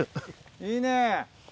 いいね。